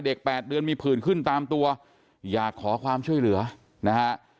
แปดเดือนมีผื่นขึ้นตามตัวอยากขอความช่วยเหลือนะฮะ